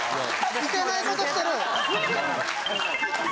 いけないことしてる。